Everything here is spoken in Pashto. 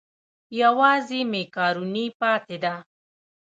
یوازې مېکاروني پاتې ده.